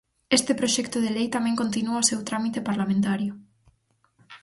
Este proxecto de lei tamén continúa o seu trámite parlamentario.